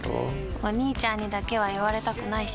お兄ちゃんにだけは言われたくないし。